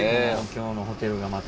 今日のホテルがまた。